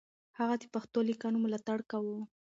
هغه د پښتو ليکنو ملاتړ کاوه.